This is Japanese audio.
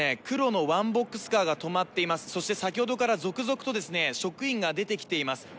黒のワンボックスカーが止まっていますそして先ほどから続々とですね職員が出てきています